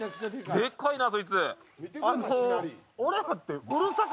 でっかいな、そいつ。